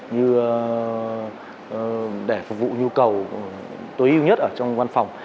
như để phục vụ nhu cầu tối ưu nhất ở trong văn phòng